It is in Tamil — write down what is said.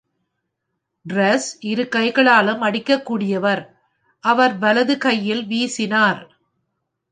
டிரெஷ் இரு கைகளாலும் அடிக்கக் கூடியவர், அவர் வலது கையில் வீசினார்.